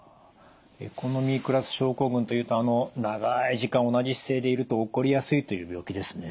エコノミークラス症候群というとあの長い時間同じ姿勢でいると起こりやすいという病気ですね。